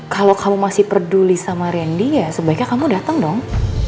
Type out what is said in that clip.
kalau kamu masih peduli sama randy ya sebaiknya kamu datang dong